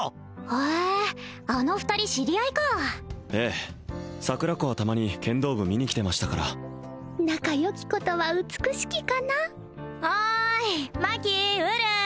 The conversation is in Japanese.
へえあの２人知り合いかええ桜子はたまに剣道部見に来てましたから仲良きことは美しきかなおいマキーうるー！